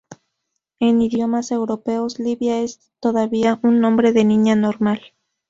En idiomas europeos, Livia es todavía un nombre de niña normal.